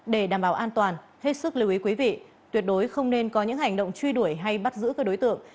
để đảm bảo an toàn hết sức lưu ý quý vị tuyệt đối không nên có những hành động truy đuổi hay bắt giữ các đối tượng